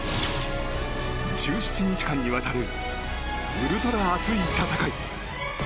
１７日間にわたるウルトラ熱い戦い。